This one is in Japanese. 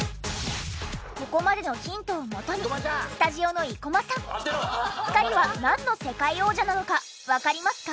ここまでのヒントを元にスタジオの生駒さん２人はなんの世界王者なのかわかりますか？